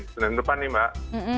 senin depan nih mbak